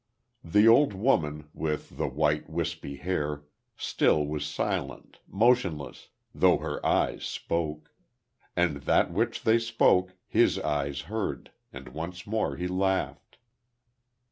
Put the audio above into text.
The old woman, with the white, wispy hair, still was silent, motionless; though her eyes spoke. And that which they spoke, his eyes heard; and once more he laughed.